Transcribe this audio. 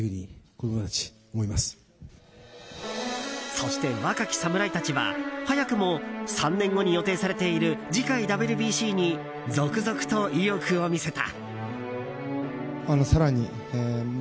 そして、若き侍たちは早くも３年後に予定されている次回ＷＢＣに続々と意欲を見せた。